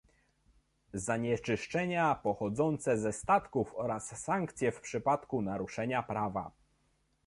Zanieczyszczenia pochodzące ze statków oraz sankcje w przypadku naruszenia prawa